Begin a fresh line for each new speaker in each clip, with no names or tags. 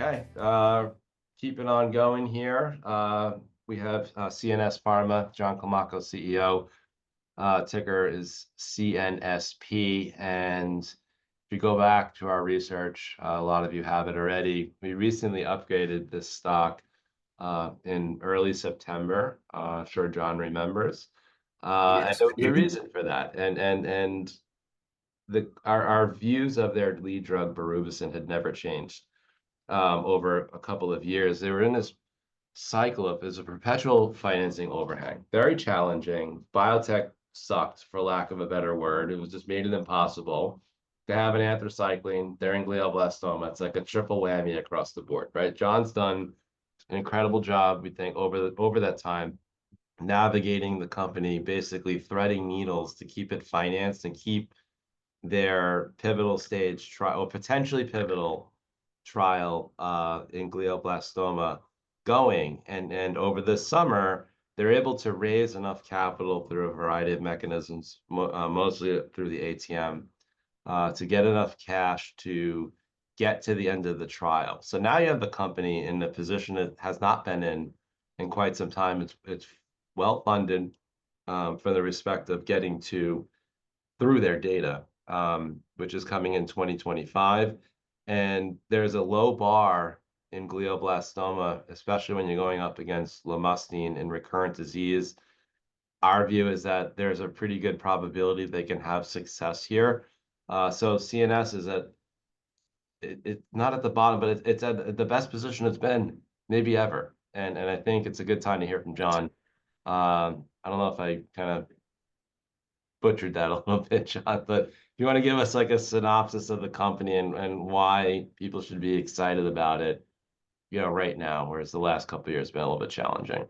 Okay, keeping on going here, we have CNS Pharma, John Climaco, CEO, ticker is CNSP. And if you go back to our research, a lot of you have it already, we recently upgraded this stock in early September. I'm sure John remembers.
Yes, we do.
So the reason for that, our views of their lead drug, Berubicin, had never changed. Over a couple of years, they were in this cycle of as a perpetual financing overhang, very challenging. Biotech sucked, for lack of a better word. It was just made it impossible to have an anthracycline there in glioblastoma. It's like a triple whammy across the board, right? John's done an incredible job, we think, over that time, navigating the company, basically threading needles to keep it financed and keep their pivotal stage trial, or potentially pivotal trial, in glioblastoma going. Over the summer, they're able to raise enough capital through a variety of mechanisms, mostly through the ATM, to get enough cash to get to the end of the trial. So now you have the company in a position it has not been in in quite some time. It's well-funded for the rest of getting through their data, which is coming in 2025. And there's a low bar in glioblastoma, especially when you're going up against Lomustine in recurrent disease. Our view is that there's a pretty good probability they can have success here. So CNS is at... It's not at the bottom, but it's at the best position it's been maybe ever, and I think it's a good time to hear from John. I don't know if I kinda butchered that a little bit, John, but do you wanna give us, like, a synopsis of the company and why people should be excited about it, you know, right now, whereas the last couple of years have been a little bit challenging?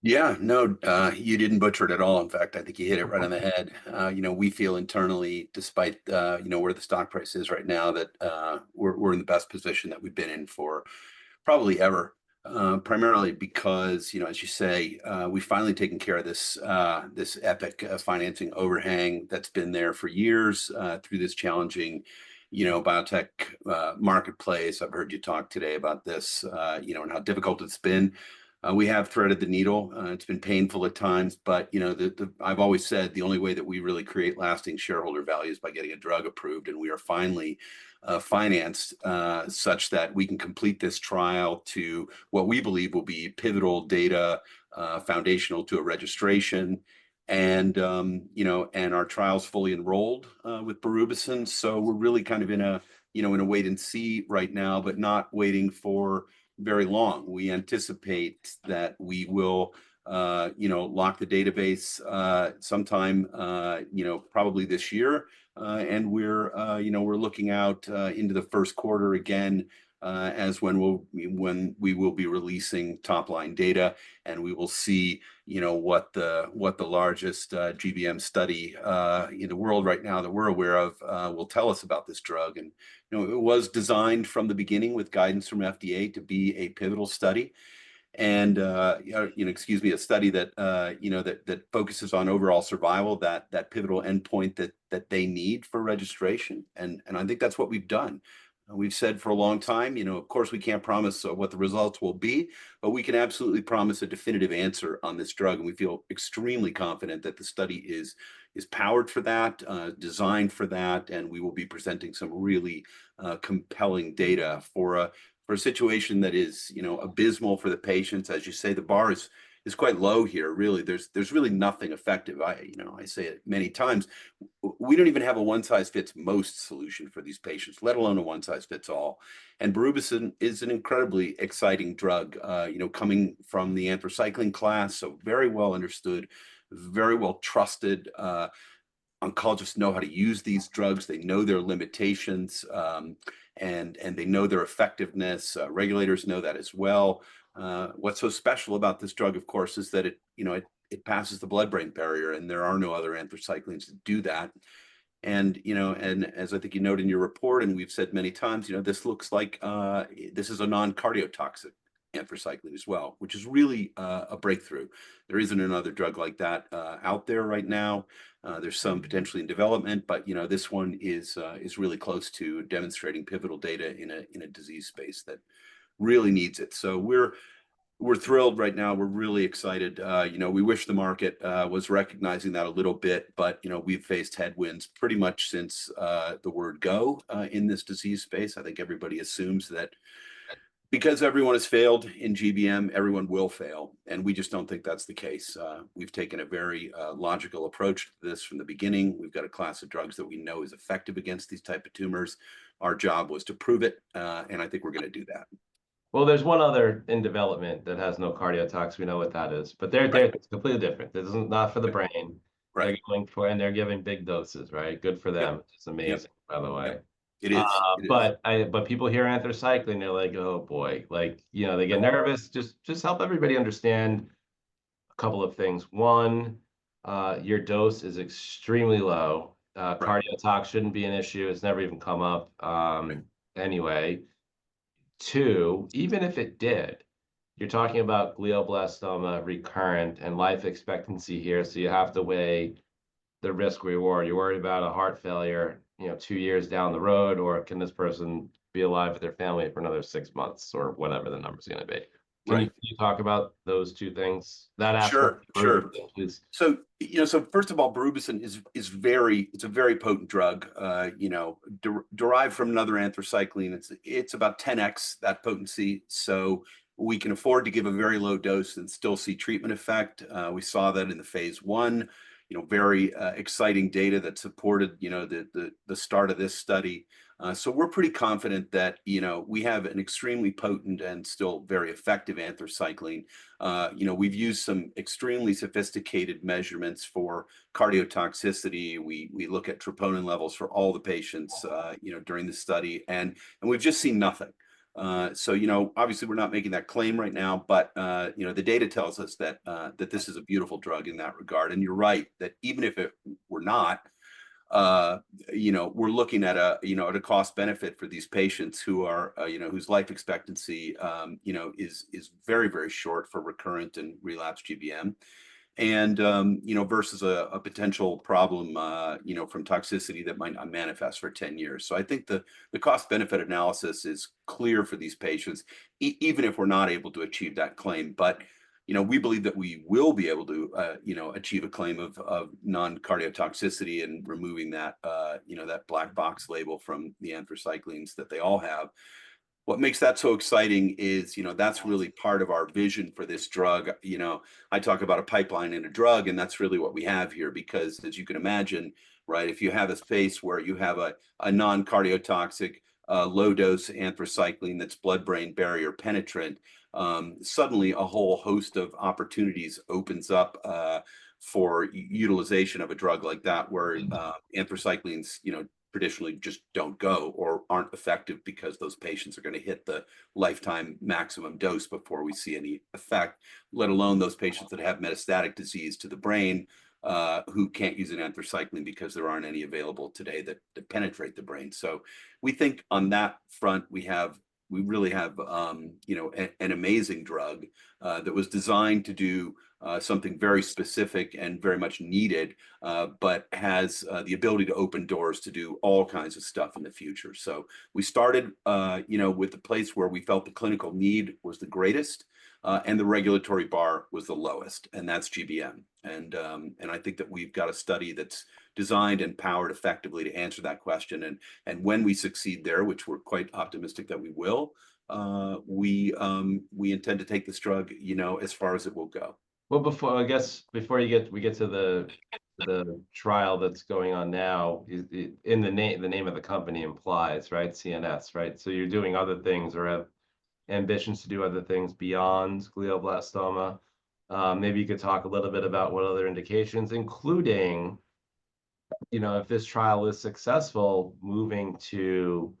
Yeah. No, you didn't butcher it at all. In fact, I think you hit it right on the head. You know, we feel internally, despite you know, where the stock price is right now, that we're in the best position that we've been in for probably ever. Primarily because, you know, as you say, we've finally taken care of this epic financing overhang that's been there for years through this challenging, you know, biotech marketplace. I've heard you talk today about this, you know, and how difficult it's been. We have threaded the needle. It's been painful at times, but, you know, the... I've always said the only way that we really create lasting shareholder value is by getting a drug approved. And we are finally financed such that we can complete this trial to what we believe will be pivotal data, foundational to a registration. And, you know, and our trial's fully enrolled with Berubicin, so we're really kind of in a, you know, in a wait-and-see right now, but not waiting for very long. We anticipate that we will, you know, lock the database, sometime, you know, probably this year. And we're, you know, we're looking out into the first quarter again, as when we will be releasing top-line data, and we will see, you know, what the largest GBM study in the world right now, that we're aware of, will tell us about this drug. And, you know, it was designed from the beginning with guidance from FDA to be a pivotal study. And, you know, excuse me, a study that, you know, that focuses on overall survival, that pivotal endpoint that they need for registration. And I think that's what we've done. We've said for a long time, you know, of course, we can't promise what the results will be, but we can absolutely promise a definitive answer on this drug. And we feel extremely confident that the study is powered for that, designed for that, and we will be presenting some really compelling data for a situation that is, you know, abysmal for the patients. As you say, the bar is quite low here, really. There's really nothing effective. You know, I say it many times. We don't even have a one-size-fits-most solution for these patients, let alone a one-size-fits-all. Berubicin is an incredibly exciting drug, you know, coming from the anthracycline class, so very well understood, very well trusted. Oncologists know how to use these drugs. They know their limitations, and they know their effectiveness. Regulators know that as well. What's so special about this drug, of course, is that it, you know, passes the blood-brain barrier, and there are no other anthracyclines that do that. You know, and as I think you note in your report, and we've said many times, you know, this looks like this is a non-cardiotoxic anthracycline as well, which is really a breakthrough. There isn't another drug like that out there right now. There's some potentially in development, but, you know, this one is really close to demonstrating pivotal data in a disease space that really needs it. So we're thrilled right now. We're really excited. You know, we wish the market was recognizing that a little bit, but, you know, we've faced headwinds pretty much since the word go in this disease space. I think everybody assumes that because everyone has failed in GBM, everyone will fail, and we just don't think that's the case. We've taken a very logical approach to this from the beginning. We've got a class of drugs that we know is effective against these type of tumors. Our job was to prove it, and I think we're gonna do that.
There's one other in development that has no cardiotoxicity. We know what that is-... but they're completely different. This is not for the brain- Right... they're going for, and they're giving big doses, right? Good for them. It's amazing, by the way.
It is. It is.
But people hear anthracycline, they're like, "Oh, boy!" Like, you know, they get nervous. Just, just help everybody understand a couple of things. One, your dose is extremely low. Cardiotoxicity shouldn't be an issue. It's never even come up, anyway. Two, even if it did, you're talking about glioblastoma, recurrent, and life expectancy here, so you have to weigh the risk-reward. You're worried about a heart failure, you know, two years down the road, or can this person be alive with their family for another six months, or whatever the number's gonna be?
Right.
Can you talk about those two things, that aspect?
Sure. Sure. You know, first of all, Berubicin is. It's a very potent drug, you know, derived from another anthracycline. It's about 10X that potency, so we can afford to give a very low dose and still see treatment effect. We saw that in the phase I, you know, very exciting data that supported the start of this study. So we're pretty confident that, you know, we have an extremely potent and still very effective anthracycline. You know, we've used some extremely sophisticated measurements for cardiotoxicity. We look at troponin levels for all the patients, you know, during the study, and we've just seen nothing. So, you know, obviously we're not making that claim right now, but, you know, the data tells us that this is a beautiful drug in that regard. And you're right, that even if it were not, you know, we're looking at a cost-benefit for these patients who are, you know, whose life expectancy, you know, is very, very short for recurrent and relapsed GBM. And, you know, versus a potential problem, you know, from toxicity that might not manifest for 10 years. So I think the cost-benefit analysis is clear for these patients even if we're not able to achieve that claim. But you know, we believe that we will be able to achieve a claim of non-cardiotoxicity and removing that black box label from the anthracyclines that they all have. What makes that so exciting is, you know, that's really part of our vision for this drug. You know, I talk about a pipeline and a drug, and that's really what we have here. Because as you can imagine, right, if you have a space where you have a non-cardiotoxic low-dose anthracycline that's blood-brain barrier penetrant, suddenly a whole host of opportunities opens up for utilization of a drug like that-... where, anthracyclines, you know, traditionally just don't go or aren't effective because those patients are gonna hit the lifetime maximum dose before we see any effect. Let alone those patients that have metastatic disease to the brain, who can't use an anthracycline because there aren't any available today that penetrate the brain. So we think on that front, we have, we really have, you know, an amazing drug that was designed to do something very specific and very much needed, but has the ability to open doors to do all kinds of stuff in the future. So we started, you know, with the place where we felt the clinical need was the greatest, and the regulatory bar was the lowest, and that's GBM. I think that we've got a study that's designed and powered effectively to answer that question. When we succeed there, which we're quite optimistic that we will, we intend to take this drug, you know, as far as it will go.
Before, I guess, we get to the trial that's going on now, is the name of the company implies, right? CNS, right? So you're doing other things or have ambitions to do other things beyond glioblastoma. Maybe you could talk a little bit about what other indications, including, you know, if this trial is successful, moving to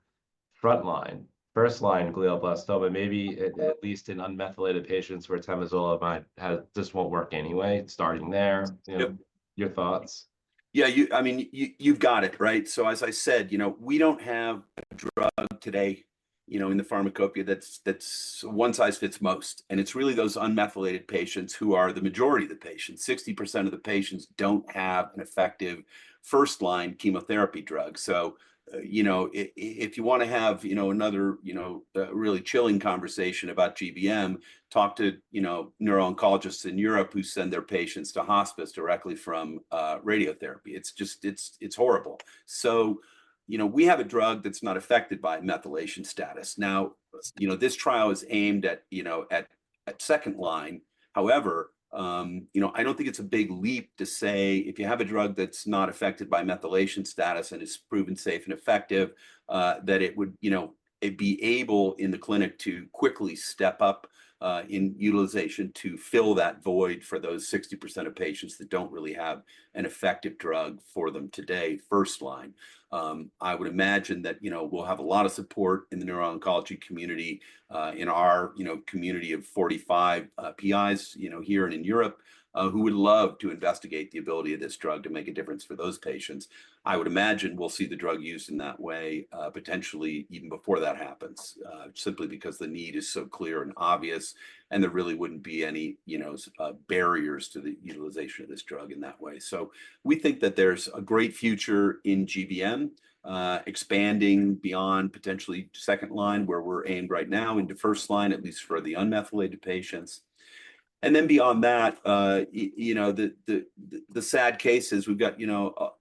front line, first line glioblastoma, maybe at least in unmethylated patients where temozolomide has... this won't work anyway, starting there.
Yep.
You know, your thoughts?
Yeah, I mean, you've got it, right? So as I said, you know, we don't have a drug today, you know, in the pharmacopoeia that's one size fits most, and it's really those unmethylated patients who are the majority of the patients. 60% of the patients don't have an effective first-line chemotherapy drug. So, you know, if you wanna have another really chilling conversation about GBM, talk to neuro-oncologists in Europe who send their patients to hospice directly from radiotherapy. It's just horrible. So, you know, we have a drug that's not affected by methylation status. Now, you know, this trial is aimed at second line. However, you know, I don't think it's a big leap to say if you have a drug that's not affected by methylation status and is proven safe and effective, that it would, you know, it'd be able, in the clinic, to quickly step up, in utilization to fill that void for those 60% of patients that don't really have an effective drug for them today, first line. I would imagine that, you know, we'll have a lot of support in the neuro-oncology community, in our, you know, community of 45 PIs, you know, here and in Europe, who would love to investigate the ability of this drug to make a difference for those patients. I would imagine we'll see the drug used in that way, potentially even before that happens, simply because the need is so clear and obvious, and there really wouldn't be any, you know, barriers to the utilization of this drug in that way. So we think that there's a great future in GBM, expanding beyond potentially second line, where we're aimed right now, into first line, at least for the unmethylated patients. And then beyond that, you know, the sad case is we've got, you know,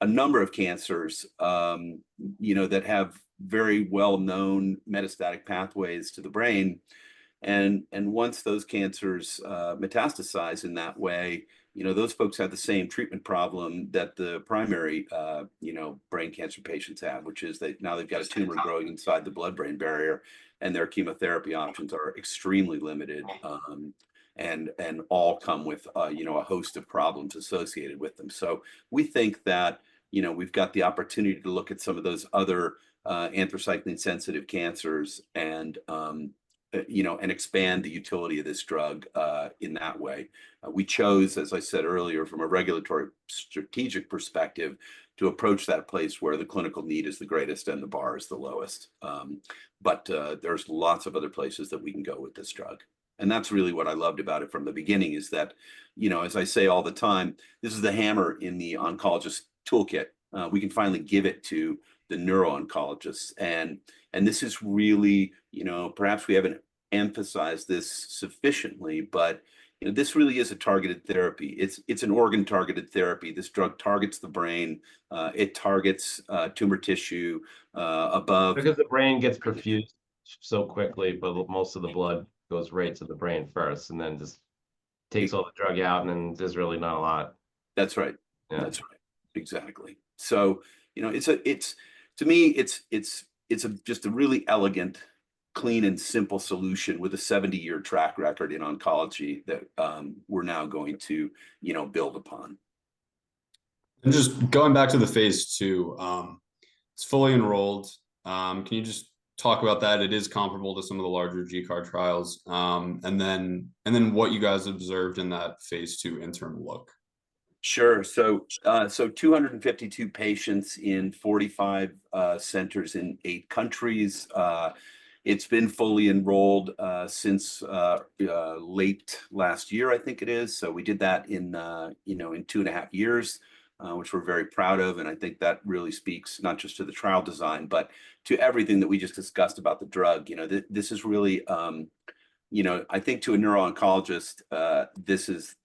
a number of cancers, you know, that have very well-known metastatic pathways to the brain. Once those cancers metastasize in that way, you know, those folks have the same treatment problem that the primary, you know, brain cancer patients have, which is that now they've got a tumor growing inside the blood-brain barrier, and their chemotherapy options are extremely limited, and all come with, you know, a host of problems associated with them. So we think that, you know, we've got the opportunity to look at some of those other anthracycline-sensitive cancers and, you know, and expand the utility of this drug in that way. We chose, as I said earlier, from a regulatory strategic perspective, to approach that place where the clinical need is the greatest and the bar is the lowest. But there's lots of other places that we can go with this drug, and that's really what I loved about it from the beginning, is that, you know, as I say all the time, this is the hammer in the oncologist's toolkit. We can finally give it to the neuro-oncologists. And this is really... You know, perhaps we haven't emphasized this sufficiently, but, you know, this really is a targeted therapy. It's an organ-targeted therapy. This drug targets the brain. It targets tumor tissue above-
Because the brain gets perfused so quickly, but most of the blood goes right to the brain first, and then just takes all the drug out, and then there's really not a lot.
That's right.
Yeah.
That's right. Exactly. So, you know, it's just a really elegant, clean, and simple solution with a 70-year track record in oncology that we're now going to, you know, build upon.
Just going back to the phase II, it's fully enrolled. Can you just talk about that? It is comparable to some of the larger GCAR trials. And then what you guys observed in that phase II interim look.
Sure. So, so 252 patients in 45 centers in eight countries. It's been fully enrolled since late last year, I think it is. So we did that in, you know, in two and a half years, which we're very proud of, and I think that really speaks not just to the trial design, but to everything that we just discussed about the drug. You know, this is really, you know, I think to a neuro-oncologist, this is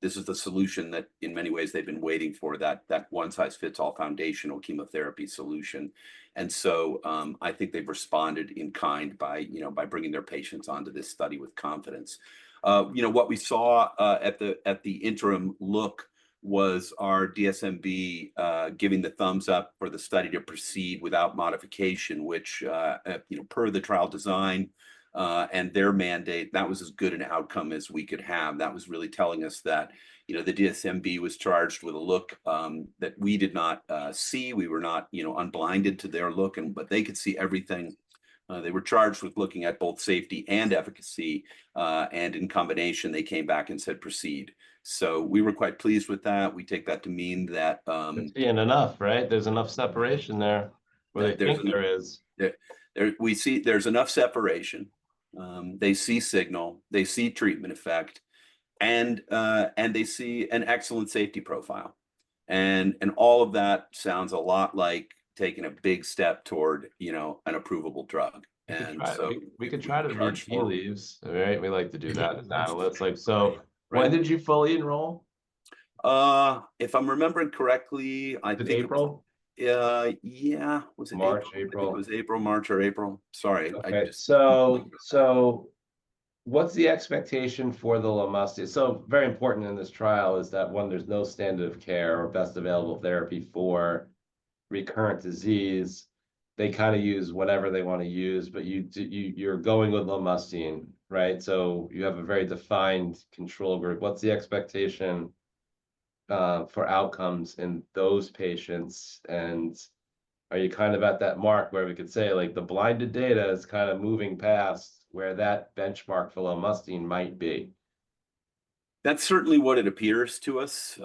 the solution that in many ways they've been waiting for, that one-size-fits-all foundational chemotherapy solution. And so, I think they've responded in kind by, you know, by bringing their patients onto this study with confidence. You know, what we saw at the interim look was our DSMB giving the thumbs up for the study to proceed without modification, which, you know, per the trial design and their mandate, that was as good an outcome as we could have. That was really telling us that, you know, the DSMB was charged with a look that we did not see. We were not, you know, unblinded to their look and, but they could see everything. They were charged with looking at both safety and efficacy and in combination, they came back and said, "Proceed." So we were quite pleased with that. We take that to mean that,
Seeing enough, right? There's enough separation there. I think there is.
There we see there's enough separation. They see signal, they see treatment effect, and they see an excellent safety profile. And all of that sounds a lot like taking a big step toward, you know, an approvable drug. And so-
We could try the tea leaves-
We charge forward.
All right, we like to do that in analysis. So-
Right.
When did you fully enroll?
If I'm remembering correctly, I think-
Was it April? Was it March, April?
It was April, March or April. Sorry, I-
Okay. So, so what's the expectation for the Lomustine? So very important in this trial is that, one, there's no standard of care or best available therapy for recurrent disease. They kinda use whatever they wanna use, but you, you're going with Lomustine, right? So you have a very defined control group. What's the expectation for outcomes in those patients? And are you kind of at that mark where we could say, like, the blinded data is kinda moving past where that benchmark for Lomustine might be?
That's certainly what it appears to us.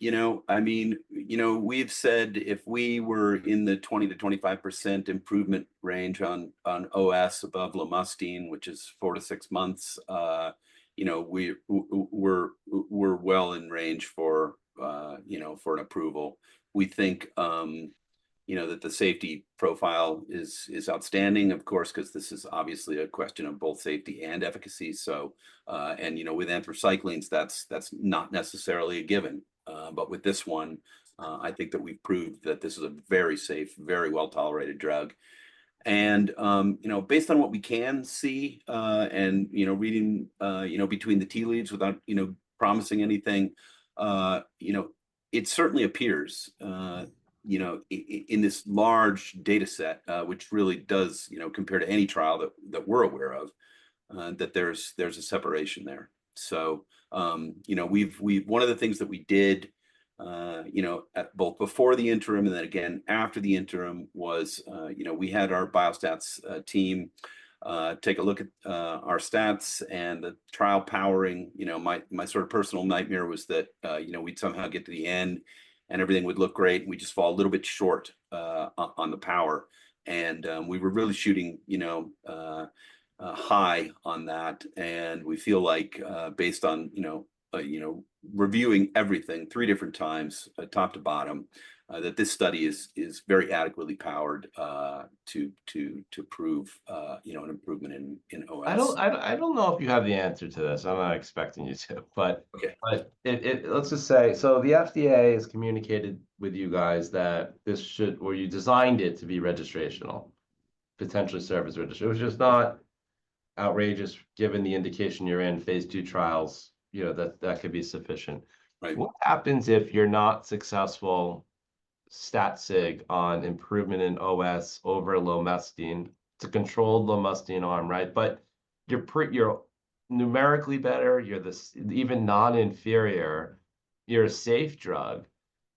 You know, I mean, you know, we've said if we were in the 20-25% improvement range on OS above Lomustine, which is 4-6 months, you know, we're well in range for, you know, for an approval. We think, you know, that the safety profile is outstanding, of course, 'cause this is obviously a question of both safety and efficacy. And, you know, with anthracyclines, that's not necessarily a given. But with this one, I think that we've proved that this is a very safe, very well-tolerated drug. You know, based on what we can see, and you know, reading between the tea leaves without you know, promising anything, you know, it certainly appears you know, in this large data set, which really does you know, compare to any trial that we're aware of, that there's a separation there. One of the things that we did you know, at both before the interim and then again after the interim was you know, we had our biostats team take a look at our stats and the trial powering. You know, my sort of personal nightmare was that, you know, we'd somehow get to the end, and everything would look great, and we'd just fall a little bit short, on the power. And, we were really shooting, you know, high on that, and we feel like, based on, you know, you know, reviewing everything three different times, top to bottom, that this study is very adequately powered, to prove, you know, an improvement in OS.
I don't know if you have the answer to this. I'm not expecting you to but-
Okay...
but it, let's just say, so the FDA has communicated with you guys that this should, or you designed it to be registrational, potentially serve as register. which is not outrageous, given the indication you're in phase II trials, you know, that that could be sufficient.
Right.
What happens if you're not successful stat sig on improvement in OS over Lomustine to control Lomustine arm, right? But you're numerically better, you're even non-inferior, you're a safe drug.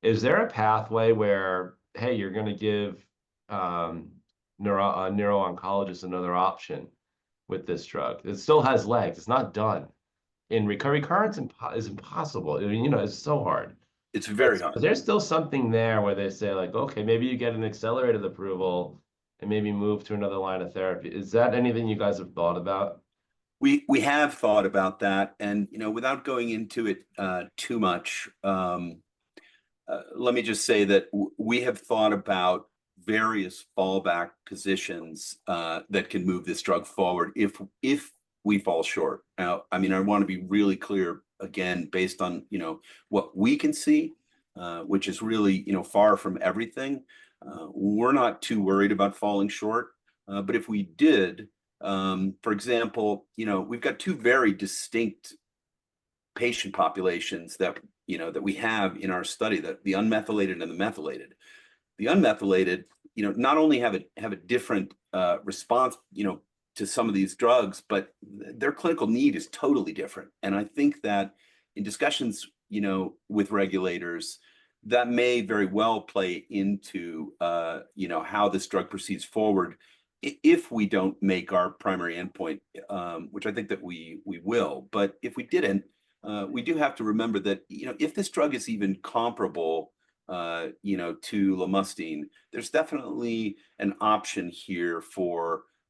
Is there a pathway where, hey, you're gonna give neuro-oncologists another option with this drug? It still has legs. It's not done. In recurrent, it's impossible. I mean, you know, it's so hard.
It's very hard.
Is there still something there where they say, like: "Okay, maybe you get an accelerated approval, and maybe move to another line of therapy"? Is that anything you guys have thought about?
We have thought about that, and, you know, without going into it too much, let me just say that we have thought about various fallback positions that can move this drug forward if we fall short. Now, I mean, I wanna be really clear, again, based on, you know, what we can see which is really, you know, far from everything. We're not too worried about falling short, but if we did, for example, you know, we've got two very distinct patient populations that we have in our study, the unmethylated and the methylated. The unmethylated, you know, not only have a different response, you know, to some of these drugs, but their clinical need is totally different. And I think that in discussions, you know, with regulators, that may very well play into, you know, how this drug proceeds forward if we don't make our primary endpoint, which I think that we will. But if we didn't, we do have to remember that, you know, if this drug is even comparable, you know, to Lomustine, there's definitely an option here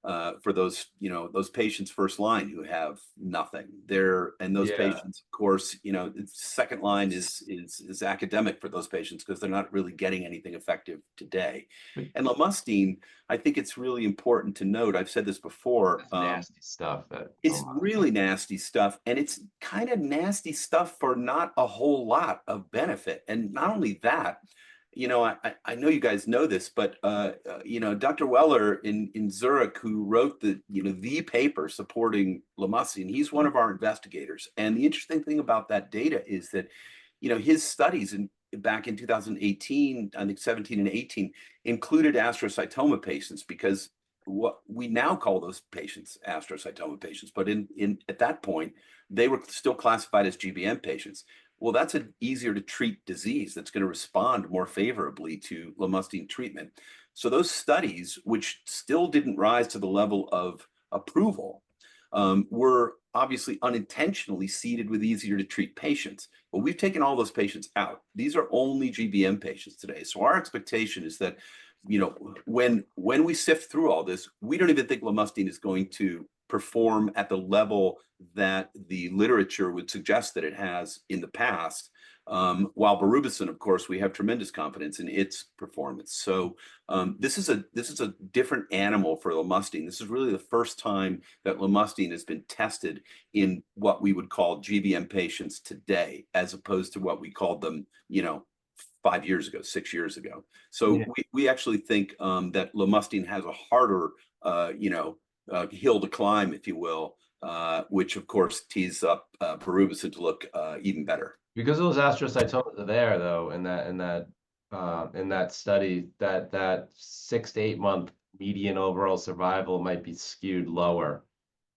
for those, you know, those patients first line who have nothing. They're-
Yeah.
Those patients, of course, you know, second line is academic for those patients 'cause they're not really getting anything effective today. And Lomustine, I think it's really important to note, I've said this before,
It's nasty stuff that-
It's really nasty stuff, and it's kinda nasty stuff for not a whole lot of benefit. And not only that, you know, I know you guys know this, but you know, Dr. Weller in Zurich, who wrote the, you know, the paper supporting Lomustine, he's one of our investigators. And the interesting thing about that data is that, you know, his studies back in 2018, I think 2017 and 2018, included astrocytoma patients because what we now call those patients astrocytoma patients, but at that point, they were still classified as GBM patients. Well, that's an easier-to-treat disease that's gonna respond more favorably to Lomustine treatment. So those studies, which still didn't rise to the level of approval, were obviously unintentionally seeded with easier-to-treat patients. But we've taken all those patients out. These are only GBM patients today. So our expectation is that, you know, when we sift through all this, we don't even think Lomustine is going to perform at the level that the literature would suggest that it has in the past. While Berubicin, of course, we have tremendous confidence in its performance. So, this is a different animal for Lomustine. This is really the first time that Lomustine has been tested in what we would call GBM patients today, as opposed to what we called them, you know, five years ago, six years ago. So we actually think that Lomustine has a harder, you know, hill to climb, if you will, which of course tees up Berubicin to look even better.
Because those astrocytoma are there, though, in that study, six to eight month median overall survival might be skewed lower,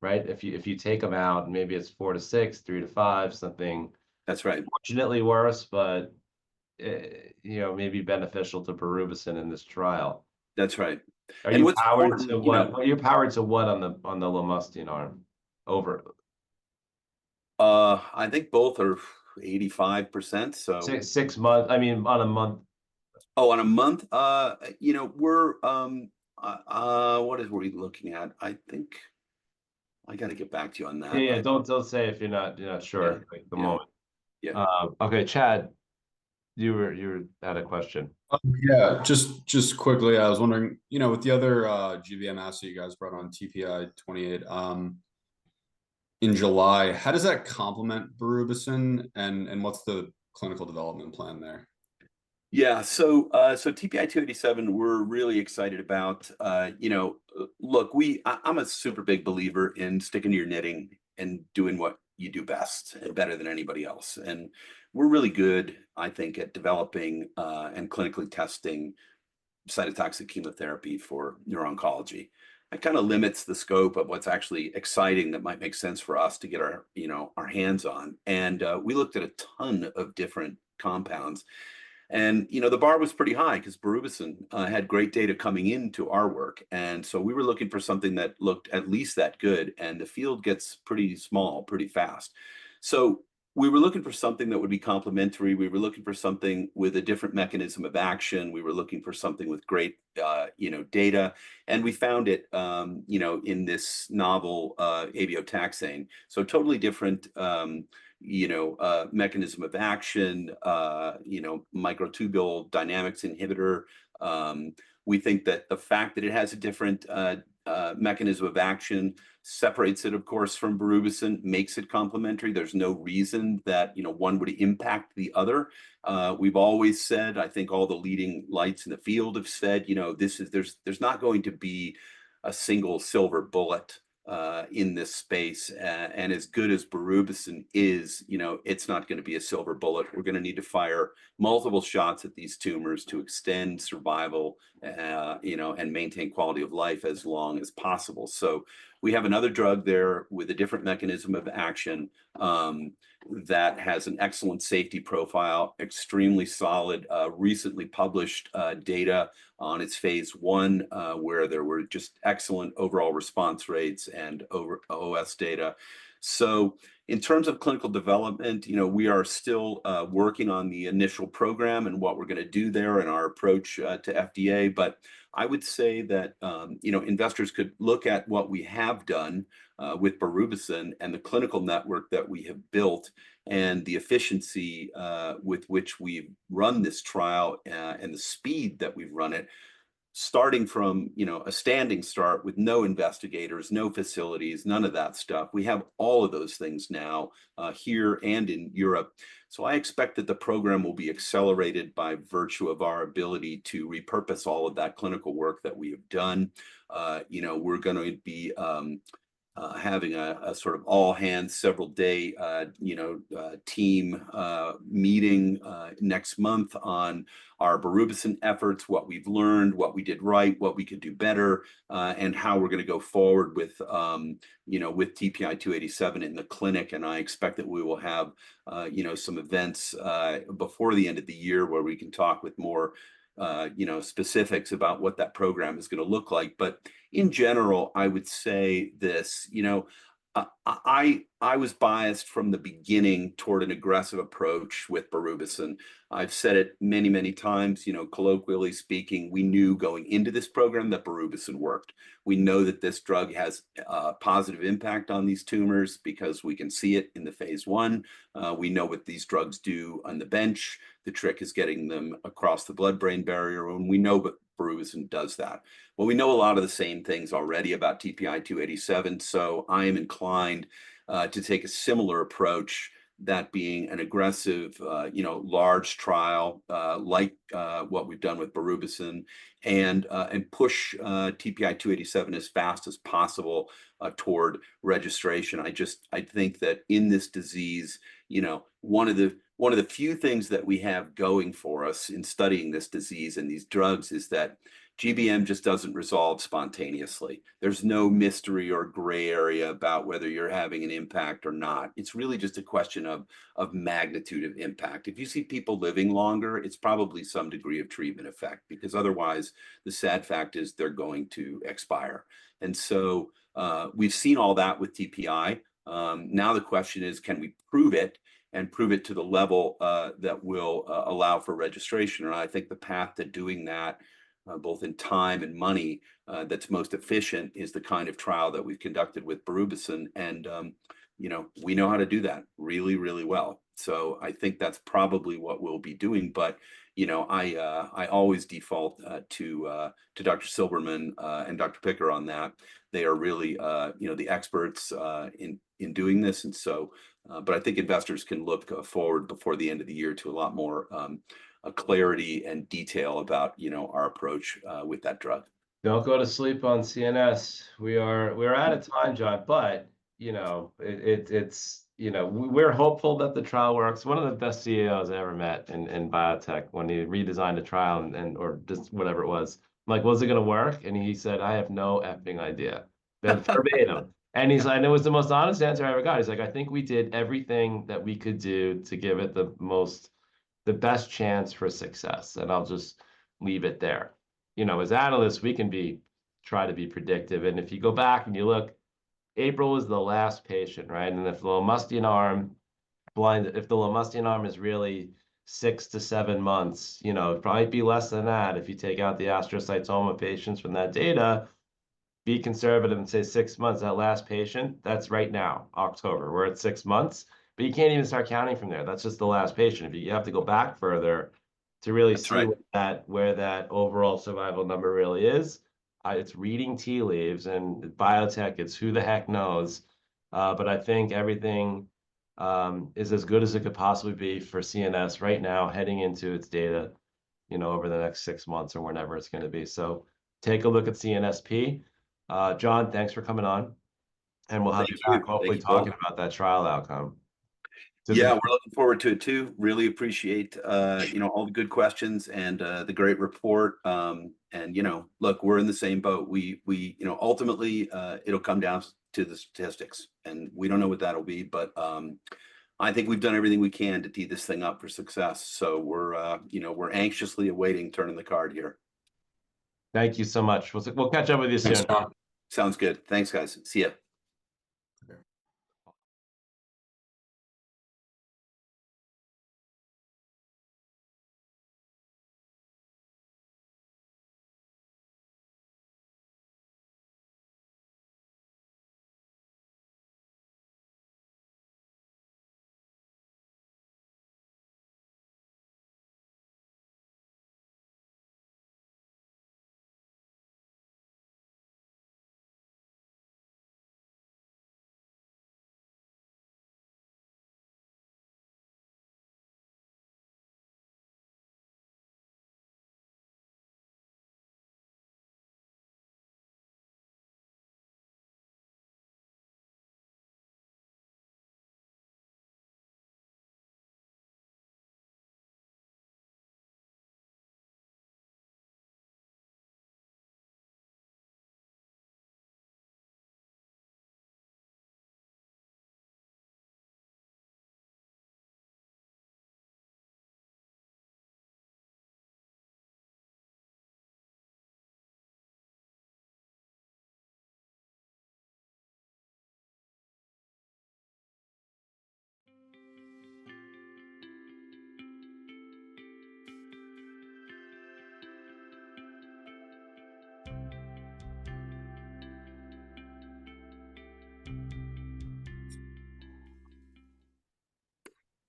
right? If you take them out, maybe it's four to six, three to five, something-
That's right.
Unfortunately worse, but, you know, maybe beneficial to Berubicin in this trial.
That's right. And what's-
Are you powered to what on the Lomustine arm, over?
I think both are 85%, so-
Six months - I mean, one month.
Oh, on a month? You know, what are we looking at? I think I gotta get back to you on that.
Yeah. Yeah, don't say if you're not sure-
Yeah...
at the moment.
Yeah.
Okay, Chad, you were, you had a question. Yeah, just quickly, I was wondering, you know, with the other GBM asset you guys brought on, TPI-287, in July, how does that complement Berubicin, and what's the clinical development plan there?
Yeah. So, so TPI-287, we're really excited about. You know, look, I'm a super big believer in sticking to your knitting and doing what you do best-... better than anybody else. And we're really good, I think, at developing, and clinically testing cytotoxic chemotherapy for neurooncology. It kinda limits the scope of what's actually exciting that might make sense for us to get our, you know, our hands on. And, we looked at a ton of different compounds. And, you know, the bar was pretty high 'cause Berubicin had great data coming into our work, and so we were looking for something that looked at least that good, and the field gets pretty small, pretty fast. So we were looking for something that would be complementary. We were looking for something with a different mechanism of action. We were looking for something with great, you know, data, and we found it, you know, in this novel abeotaxane. So totally different, you know, mechanism of action, you know, microtubule dynamics inhibitor. We think that the fact that it has a different mechanism of action separates it, of course, from Berubicin, makes it complementary. There's no reason that, you know, one would impact the other. We've always said, I think all the leading lights in the field have said, you know, there's not going to be a single silver bullet in this space, and as good as Berubicin is, you know, it's not gonna be a silver bullet. We're gonna need to fire multiple shots at these tumors to extend survival, you know, and maintain quality of life as long as possible. So we have another drug there with a different mechanism of action that has an excellent safety profile, extremely solid, recently published data on its phase I where there were just excellent overall response rates and overall OS data. So in terms of clinical development, you know, we are still working on the initial program and what we're gonna do there and our approach to FDA. But I would say that, you know, investors could look at what we have done with Berubicin and the clinical network that we have built, and the efficiency with which we've run this trial and the speed that we've run it, starting from, you know, a standing start with no investigators, no facilities, none of that stuff. We have all of those things now here and in Europe. So I expect that the program will be accelerated by virtue of our ability to repurpose all of that clinical work that we have done. You know, we're gonna be having a sort of all-hands, several-day, you know, team meeting next month on our Berubicin efforts, what we've learned, what we did right, what we could do better, and how we're gonna go forward with, you know, with TPI-287 in the clinic. And I expect that we will have, you know, some events before the end of the year, where we can talk with more, you know, specifics about what that program is gonna look like. But in general, I would say this, you know, I, I was biased from the beginning toward an aggressive approach with Berubicin. I've said it many, many times, you know, colloquially speaking, we knew going into this program that Berubicin worked. We know that this drug has positive impact on these tumors because we can see it in the phase one. We know what these drugs do on the bench. The trick is getting them across the blood-brain barrier, and we know that Berubicin does that. We know a lot of the same things already about TPI-287, so I am inclined to take a similar approach, that being an aggressive, you know, large trial, like what we've done with Berubicin, and push TPI-287 as fast as possible toward registration. I think that in this disease, you know, one of the few things that we have going for us in studying this disease and these drugs is that GBM just doesn't resolve spontaneously. There's no mystery or gray area about whether you're having an impact or not. It's really just a question of magnitude of impact. If you see people living longer, it's probably some degree of treatment effect. Because otherwise, the sad fact is they're going to expire. And so, we've seen all that with TPI. Now the question is: can we prove it, and prove it to the level that will allow for registration? I think the path to doing that, both in time and money, that's most efficient, is the kind of trial that we've conducted with Berubicin, and you know, we know how to do that really, really well. So I think that's probably what we'll be doing. But you know, I always default to Dr. Silberman and Dr. Picker on that. They are really you know, the experts in doing this, and so... but I think investors can look forward before the end of the year to a lot more clarity and detail about you know, our approach with that drug.
Don't go to sleep on CNS. We're out of time, John, but, you know, it's. You know, we're hopeful that the trial works. One of the best CEOs I ever met in biotech, when he redesigned a trial or just whatever it was, I'm like: "Well, is it gonna work?" And he said, "I have no effing idea." That's verbatim. And he's like. And it was the most honest answer I ever got. He's like, "I think we did everything that we could do to give it the best chance for success, and I'll just leave it there." You know, as analysts, we can try to be predictive, and if you go back and you look, April was the last patient, right? And if the lomustine arm is really six-to-seven months, you know, it'd probably be less than that if you take out the astrocytoma patients from that data. Be conservative and say six months. That last patient, that's right now, October. We're at six months, but you can't even start counting from there. That's just the last patient. You have to go back further to really-
That's right...
see that, where that overall survival number really is. It's reading tea leaves, and in biotech, it's who the heck knows, but I think everything is as good as it could possibly be for CNS right now, heading into its data, you know, over the next six months or whenever it's gonna be, so take a look at CNSP. John, thanks for coming on, and we'll have you back-... hopefully talking about that trial outcome. So-
Yeah, we're looking forward to it, too. Really appreciate, you know, all the good questions and the great report. You know, look, we're in the same boat. You know, ultimately, it'll come down to the statistics, and we don't know what that'll be, but I think we've done everything we can to tee this thing up for success. So we're, you know, we're anxiously awaiting turning the card here.
Thank you so much. We'll catch up with you soon.
Thanks, Chad. Sounds good. Thanks, guys. See ya.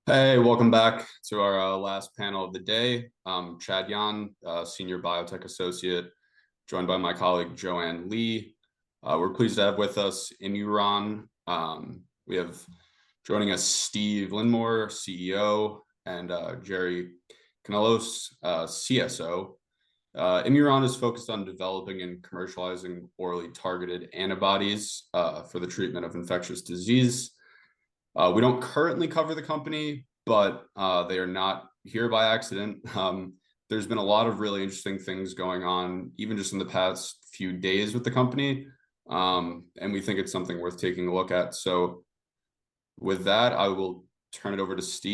Okay, bye.
Hey, welcome back to our last panel of the day. I'm Chad Yahn, Senior Biotech Associate, joined by my colleague, Joanne Lee. We're pleased to have with us Immuron. We have joining us, Steve Lydeamore, CEO, and Jerry Kanellos, CSO. Immuron is focused on developing and commercializing orally targeted antibodies for the treatment of infectious disease. We don't currently cover the company, but they are not here by accident. There's been a lot of really interesting things going on, even just in the past few days, with the company. And we think it's something worth taking a look at. So with that, I will turn it over to Steve.